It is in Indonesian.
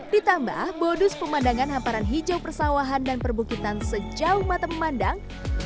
ditambah modus pemandangan hamparan hijau persawahan dan perbukitan sejauh mata memandang